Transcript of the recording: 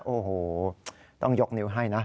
โอ้โหต้องยกนิ้วให้นะ